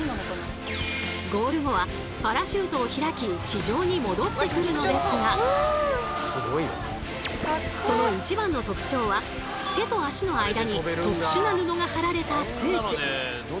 ゴール後はパラシュートを開き地上に戻ってくるのですがその一番の特徴は手と足の間に特殊な布が張られたスーツ。